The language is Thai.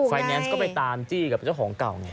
แนนซ์ก็ไปตามจี้กับเจ้าของเก่าไง